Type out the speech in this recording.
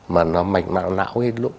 mà nó mạch não hết luôn